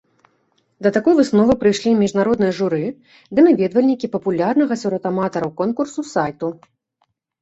Да такой высновы прыйшлі міжнароднае журы ды наведвальнікі папулярнага сярод аматараў конкурсу сайту.